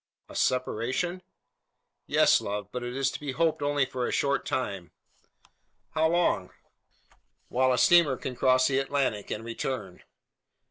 "A separation?" "Yes, love; but it is to be hoped only for a short time." "How long?" "While a steamer can cross the Atlantic, and return."